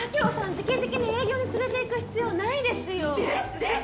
じきじきに営業に連れていく必要ないですよですです！